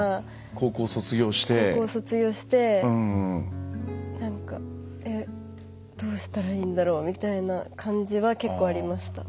高校卒業してなんかどうしたらいいんだろうみたいな感じは結構ありました。